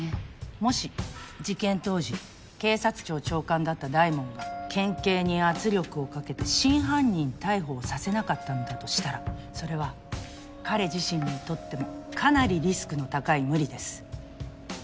もし事件当時警察庁長官だった大門が県警に圧力をかけて真犯人逮捕をさせなかったのだとしたらそれは彼自身にとってもかなりリスクの高い無理です。